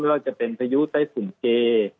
ว่าจะเป็นพายุไต้ฝุ่นเจ